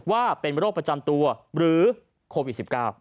ว่าเป็นโรคประจำตัวหรือโควิด๑๙